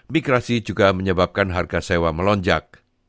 migrasi juga menyebabkan harga sewa melonjak